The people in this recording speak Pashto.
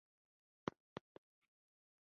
هغه دروازې دې له غزني څخه هند ته راوړل شي.